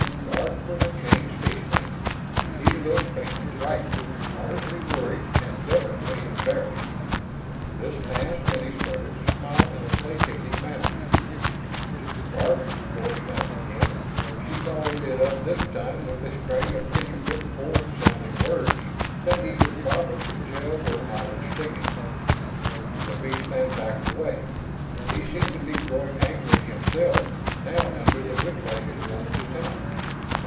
Garf was a changed fishman; he looked faintly frightened, moderately worried, and definitely embarrassed. This passed, and he started to smile in a placating manner. "Garf!" Dor snapped again. She followed it up, this time, with a string of intricate, foreign sounding words that even Farmer could tell were hot and stinging. The fishman backed away. He seemed to be growing angry himself now under the whiplashing woman's tongue.